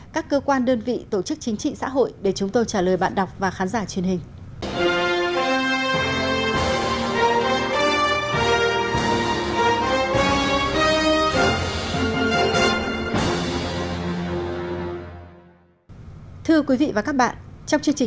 các cơ quan đơn vị tổ chức chính trị xã hội để chúng tôi trả lời bạn đọc và khán giả truyền hình